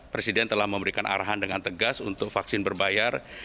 presiden telah memberikan arahan dengan tegas untuk vaksin berbayar